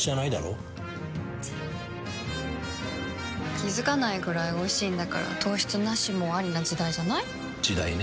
気付かないくらいおいしいんだから糖質ナシもアリな時代じゃない？時代ね。